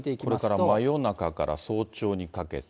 これから真夜中から早朝にかけて。